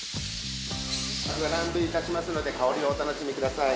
フランベいたしますので、香りをお楽しみください。